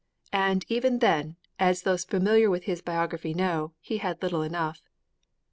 "' And, even then, as those familiar with his biography know, he had little enough.